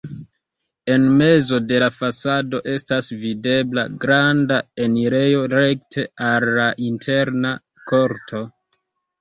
En mezo de la fasado estas videbla granda enirejo rekte al la interna korto.